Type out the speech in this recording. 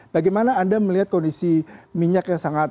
bagaimana anda melihat kondisi minyak yang sangat